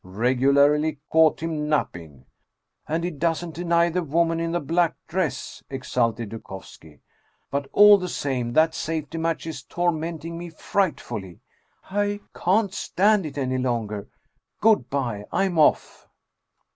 Regularly caught him napping "" And he doesn't deny the woman in the black dress !" exulted Dukovski. " But all the same, that safety match is tormenting me frightfully. I can't stand it any longer. Good by! I am off!"